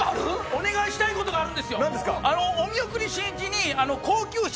お願いしたいことあるんです。